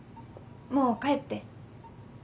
もう帰って。